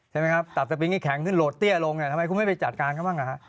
ใช่ไหมครับตัดสปิงให้แข็งขึ้นโหลดเตี้ยลงทำไมคุณไม่ไปจัดการเขาบ้าง